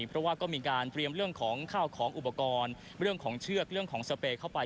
เพราะว่าก็มีการเตรียมเรื่องของข้าวของอุปกรณ์เรื่องของเชือกเรื่องของสเปย์เข้าไป